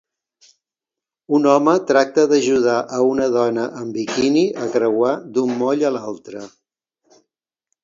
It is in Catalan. Un home tracta d'ajudar a una dona en bikini a creuar d'un moll a l'altre